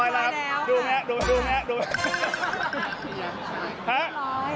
ทำเรียบร้อยแล้วดูไง